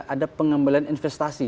ada pengembalian investasi